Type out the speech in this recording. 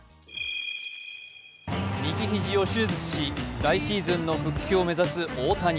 右肘を手術し来シーズンの復帰を目指す大谷。